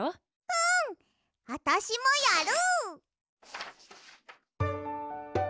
うん！あたしもやる！